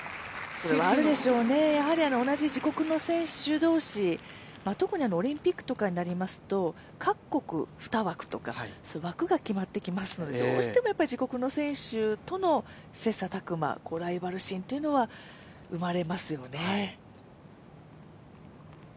それはあるでしょうね、同じ自国の選手同士、特にオリンピックとかになりますと、各国２枠とか、枠が決まってきますのでどうしても自国の選手との切磋琢磨ライバル心というのは生まれますよね。